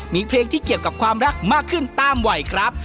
มีเพลงที่เกี่ยวกับความรักมากขึ้นตามวัยครับ